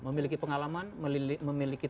memiliki pengalaman memiliki